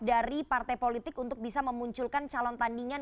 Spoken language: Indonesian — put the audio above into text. dari partai politik untuk bisa memunculkan calon tandingan